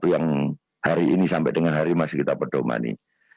yang hari ini sampai dengan hari masih kita perdomani